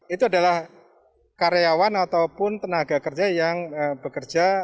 itu adalah karyawan ataupun tenaga kerja yang bekerja